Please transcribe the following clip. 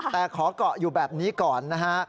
แต่ขอเกาะอยู่แบบนี้ก่อนนะฮะ